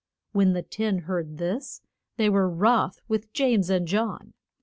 When the ten heard this they were wroth with James and John.